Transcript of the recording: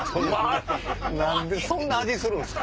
何でそんな味するんすか！